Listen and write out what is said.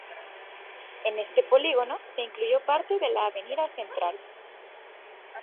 En este polígono se incluyó parte de la Avenida Central.